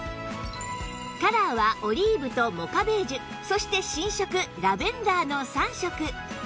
カラーはオリーブとモカベージュそして新色ラベンダーの３色